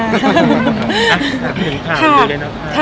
ถามข่าวเยอะเลยนะคะ